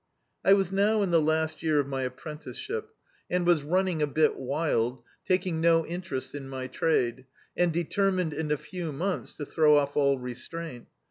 I was now in the last year of my apprenticeship, D,i.,.db, Google Youth and was nmning a bit wild, taking no interest in my trade, and determined in a few months to throw off all restraint.